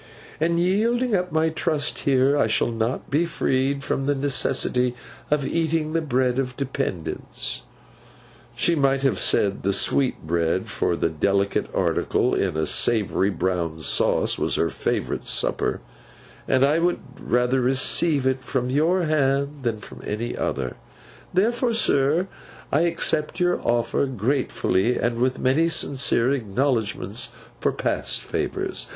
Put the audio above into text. In yielding up my trust here, I shall not be freed from the necessity of eating the bread of dependence:' she might have said the sweetbread, for that delicate article in a savoury brown sauce was her favourite supper: 'and I would rather receive it from your hand, than from any other. Therefore, sir, I accept your offer gratefully, and with many sincere acknowledgments for past favours.